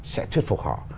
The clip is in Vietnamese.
sẽ thuyết phục họ